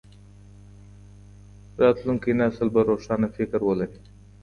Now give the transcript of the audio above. راتلونکی نسل به روښانه فکر ولري.